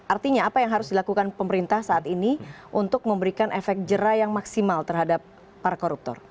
artinya apa yang harus dilakukan pemerintah saat ini untuk memberikan efek jera yang maksimal terhadap para koruptor